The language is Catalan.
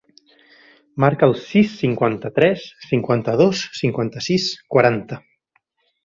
Marca el sis, cinquanta-tres, cinquanta-dos, cinquanta-sis, quaranta.